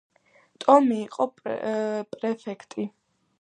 ტომი იყო პრეფექტი.